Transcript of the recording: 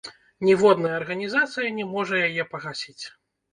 Ніводная арганізацыя не можа яе пагасіць.